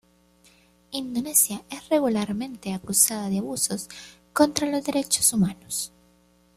Indonesia es regularmente acusada de abusos contra los derechos humanos.